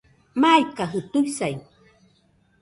Maikajɨ tuisai